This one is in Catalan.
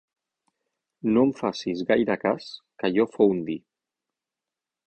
No en facis gaire cas, que allò fou un dir!